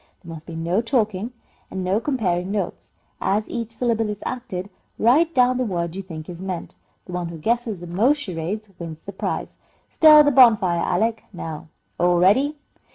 "There must be no talking, and no comparing notes. As each syllable is acted, write down the word you think is meant. The one who guesses the most charades wins the prize. Stir the bonfire, Alec. Now, all ready!"